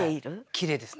きれいですね。